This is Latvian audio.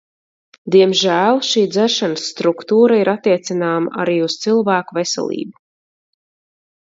Diemžēl šī dzeršanas struktūra ir attiecināma arī uz cilvēku veselību.